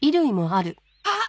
あっ！